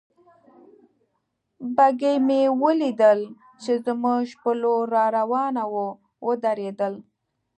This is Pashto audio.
بګۍ مې ولیدل چې زموږ پر لور را روانه وه، ودرېدل.